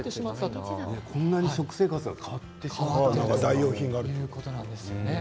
こんなに食生活が変わってしまったんですね。